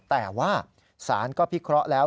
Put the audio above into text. แต่ว่าศาลก็พิเคราะห์แล้ว